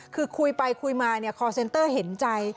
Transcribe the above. คือคุยไปคุยมาคอร์เซนเตอร์เห็นใจ